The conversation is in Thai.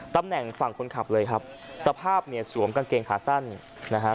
ตำแหน่งฝั่งคนขับเลยครับสภาพเนี่ยสวมกางเกงขาสั้นนะฮะ